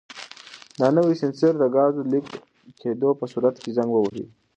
دا نوی سینسر د ګازو د لیک کېدو په صورت کې زنګ وهي.